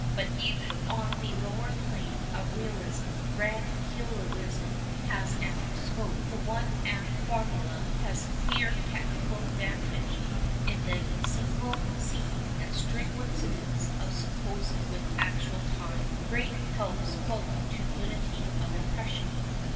But even on the lower plane of realism Grand Guignolism has ample scope. The one act formula has a clear technical advantage in the single scene and strict coineidenee of sujiposed with actual time, great helps both to imity of impression.